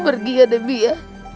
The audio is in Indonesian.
pergi ya debbie ya